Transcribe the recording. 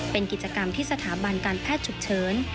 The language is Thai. เป็นกิจกรรมที่สถาบันการแพทย์ฉุกเฉิน